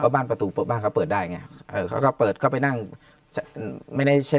บ้านประตูเปิดบ้านเขาเปิดได้ไงเออเขาก็เปิดเข้าไปนั่งไม่ได้ใช่